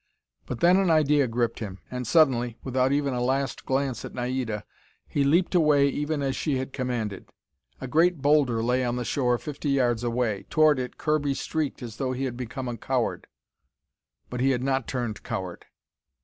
But then an idea gripped him, and suddenly, without even a last glance at Naida, he leaped away even as she had commanded. A great boulder lay on the shore fifty yards away. Toward it Kirby streaked as though he had become coward. But he had not turned coward.